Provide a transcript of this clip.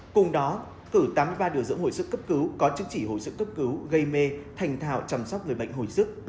cùng đó cử tám mươi ba điều dưỡng hồi sức cấp cứu có chứng chỉ hồi sức cấp cứu gây mê thành thạo chăm sóc người bệnh hồi sức